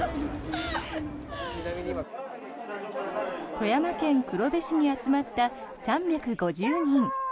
富山県黒部市に集まった３５０人。